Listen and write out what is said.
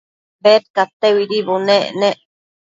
Bedcadteuidi bunec